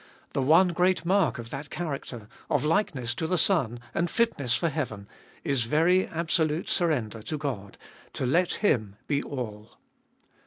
The one great mark of that character, of likeness to the Son and fitness for heaven, is very absolute surrender to God, to let Him be all.